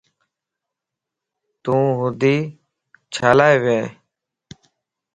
تون ھودي چھيلا ويئي؟